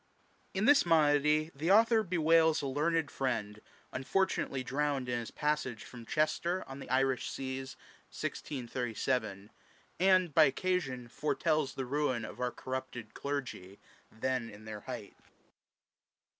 In this Monody the Author bewails a learned Friend, unfortunately drowned in his passage from Chester on the Irish Seas, 1637 ; and, by occasion, foretells the ruin of our corrupted Clergy, then in their height.